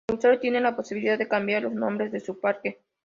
El usuario tiene la posibilidad de cambiar los nombres de su parque.